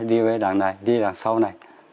đi với đằng này đi đằng sau này